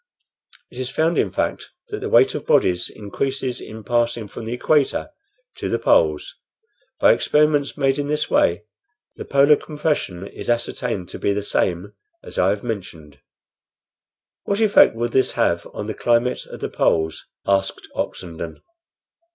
It is found, in fact, that the weight of bodies increases in passing from the equator to the poles. By experiments made in this way the polar compression is ascertained to be the same as I have mentioned." "What effect would this have on the climate at the poles?" asked Oxenden.